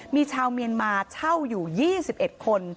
มีชาวเมียนมาเช่าอยู่๒๑คน